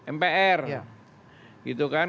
mpr gitu kan